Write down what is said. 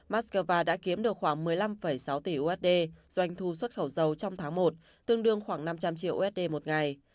moscow đã kiếm được khoảng một mươi năm sáu tỷ usd doanh thu xuất khẩu dầu trong tháng một tương đương khoảng năm trăm linh triệu usd một ngày